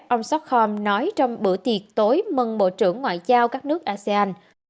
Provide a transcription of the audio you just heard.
ông sutcom nói trong bữa tiệc tối mừng bộ trưởng ngoại giao các nước asean